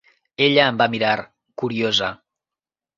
Ella em va mirar, curiosa.